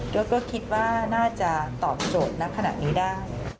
เราก็คิดว่าน่าจะตอบโจทย์ณขนาดนี้ได้